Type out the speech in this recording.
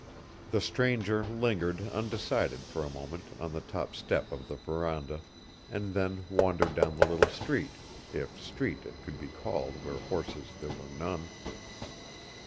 The stranger lingered undecided for a moment on the top step of the veranda, and then wandered down the little street, if street it could be called where horses there were none.